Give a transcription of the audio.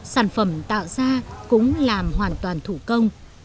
sản phẩm tạo ra cũng làm hoàn toàn thủ công